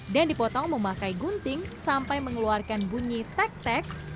dan dipotong memakai gunting sampai mengeluarkan bunyi tek tek